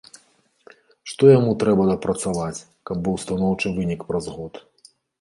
Што яму трэба дапрацаваць, каб быў станоўчы вынік праз год?